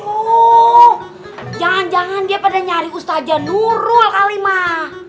oh jangan jangan dia pada nyari ustazah nurul kali mah